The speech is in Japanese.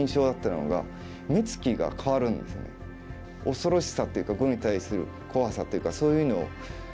恐ろしさというか碁に対する怖さというかそういうのを。